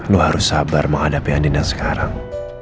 lu harus sabar menghadapi andin yang sekarang